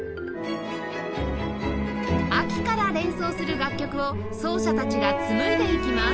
秋から連想する楽曲を奏者たちが紡いでいきます